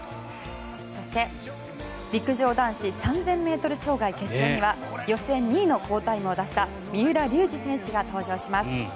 そして陸上男子３０００ｍ障害決勝には予選２位の好タイムを出した三浦龍司選手が登場します。